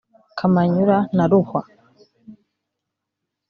Kamanyura na Ruhwa